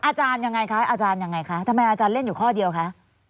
อาจารย์อย่างไรคะทำไมอาจารย์เล่นอยู่ข้อเดียวคะ